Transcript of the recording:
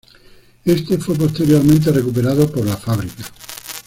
Este fue posteriormente recuperado por la fábrica.